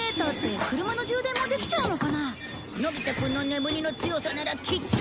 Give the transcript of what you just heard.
のび太くんの眠りの強さならきっと！